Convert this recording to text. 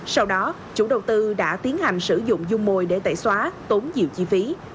sau đó chủ đầu tư đã tiến hành sử dụng dung mồi để tẩy xóa tốn nhiều chi phí